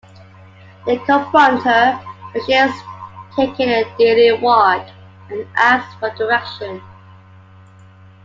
They confront her while she is taking a daily walk, and ask for direction.